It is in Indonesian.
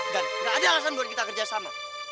dan gak ada alasan buat kita kerja sama